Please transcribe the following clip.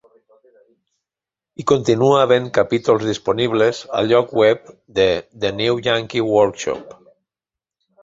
Hi continua havent capítols disponibles al lloc web de The New Yankee Workshop.